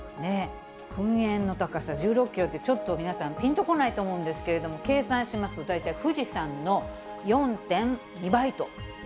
噴煙の高さ１６キロって、ちょっと皆さん、ぴんとこないと思うんですけれども、計算しますと、大体富士山の４．２倍と。